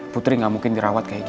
putri gak mungkin dirawat kayak gini